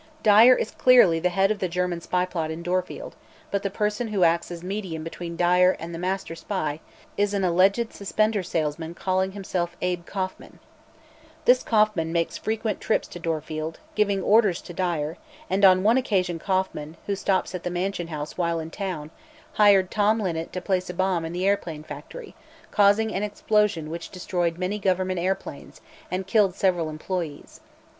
"Dyer is clearly the head of the German spy plot in Dorfield, but the person who acts as medium between Dyer and the Master Spy is an alleged suspender salesman calling himself Abe Kauffman. This Kauffman makes frequent trips to Dorfield, giving orders to Dyer, and on one occasion Kauffman, who stops at the Mansion House while in town, hired Tom Linnet to place a bomb in the Airplane Factory, causing an explosion which destroyed many government airplanes and killed several employees.